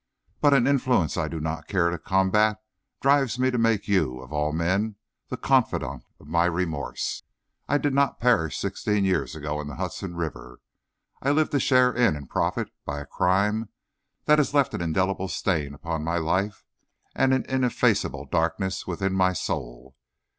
But an influence I do not care to combat drives me to make you, of all men, the confidant of my remorse. I did not perish sixteen years ago in the Hudson River. I lived to share in and profit by a crime that has left an indelible stain upon my life and an ineffaceable darkness within my soul.